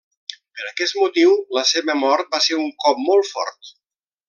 Per aquest motiu la seva mort va ser un cop molt fort.